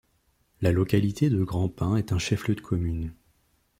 La localité de Grand-Pin est un chef-lieu de commune.